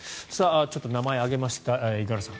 ちょっと名前を挙げました五十嵐さん